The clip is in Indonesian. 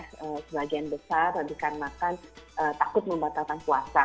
sebagian besar dikarenakan takut membatalkan puasa